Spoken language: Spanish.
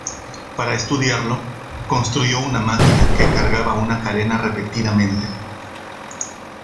Para estudiarlo, construyó una máquina que cargaba una cadena repetidamente.